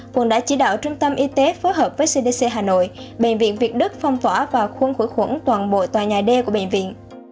quận đã chỉ đạo trung tâm y tế phối hợp với cdc hà nội bệnh viện việt đức phong tỏa và khuôn khổ toàn bộ tòa nhà d của bệnh viện